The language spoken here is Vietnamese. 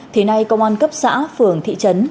thì nay công an cấp xã phường thị trấn